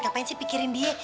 ngapain sih pikirin dia